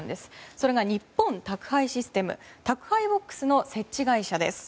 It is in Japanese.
それが日本宅配システム宅配ボックスの設置会社です。